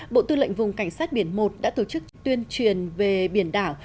bộ tư lệnh vùng cảnh sát biển một đã tổ chức tuyên truyền về biển đảo